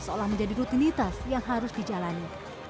seolah menjadi rutinitas yang harus dijalani